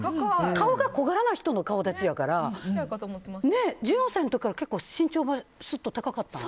顔が小柄な人の顔立ちやから１４歳の時から身長がスッと高かったん？